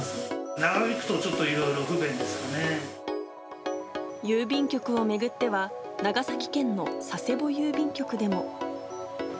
長引くと、ちょっといろいろ不便郵便局を巡っては、長崎県の佐世保郵便局でも。